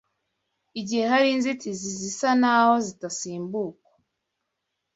igihe hari inzitizi zisa n’aho zitasimbukwa